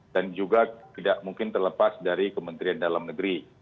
dan juga tidak mungkin terlepas dari kementerian dalam negeri